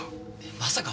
まさか。